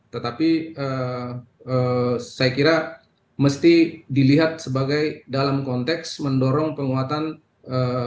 tetapi saya kira mesti dilihat sebagai dalam konteks mendorong penguatan ee